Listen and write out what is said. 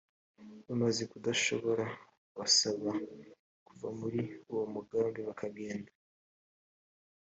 bamaze kubasohora babasaba kuva muri uwo mugi bakagenda